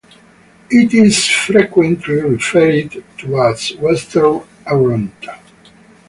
It is frequently referred to as Western Arrarnta.